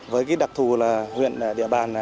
với cái đặc thù là huyện địa bàn